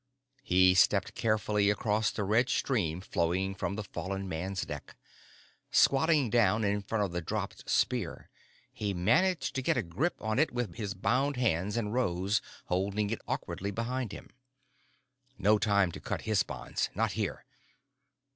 He stepped carefully across the red stream flowing from the fallen man's neck. Squatting down in front of the dropped spear, he managed to get a grip on it with his bound hands and rose, holding it awkwardly behind him. No time to cut his bonds. Not here.